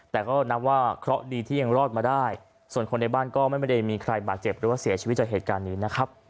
แต่ก็นับว่าเคราะห์ดีที่ยังรอดมาได้ส่วนคนในบ้านก็ไม่ได้มีใครบาดเจ็บหรือว่าเสียชีวิตจากเหตุการณ์นี้นะครับ